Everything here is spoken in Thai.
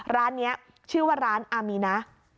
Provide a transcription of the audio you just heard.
ร้านนี้ชื่อว่าร้านอามีนะ